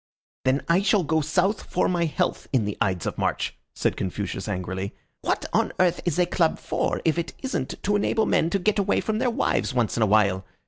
"Then I shall go South for my health in the Ides of March," said Confucius, angrily. "What on earth is a club for if it isn't to enable men to get away from their wives once in a while?